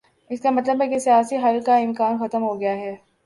اس کا مطلب ہے کہ سیاسی حل کا امکان ختم ہو گیا ہے۔